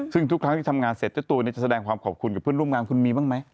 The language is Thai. ซึ่งทุกครั้งที่ทำงานเสร็จเจ้าตัวจะแสดงความขอบคุณกับเพื่อนร่วมงานคุณมีบ้างไหม